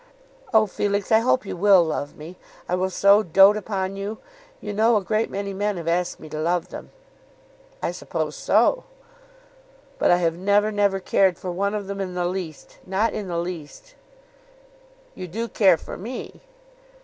"Oh, Felix, I hope you will love me. I will so dote upon you. You know a great many men have asked me to love them." "I suppose so." "But I have never, never cared for one of them in the least; not in the least." "You do care for me?"